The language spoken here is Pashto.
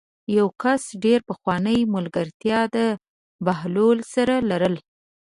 یوه کس ډېره پخوانۍ ملګرتیا د بهلول سره لرله.